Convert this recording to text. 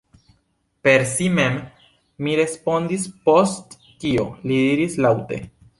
Per si mem, mi respondis, post kio li ridis laŭte.